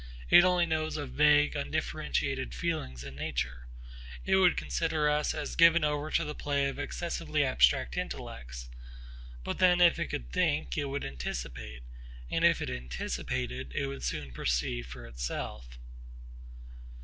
It only knows of vague undifferentiated feelings in nature. It would consider us as given over to the play of excessively abstract intellects. But then if it could think, it would anticipate; and if it anticipated, it would soon perceive for itself.